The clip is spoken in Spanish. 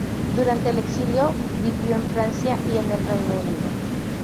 Durante el exilio, vivió en Francia y en el Reino Unido.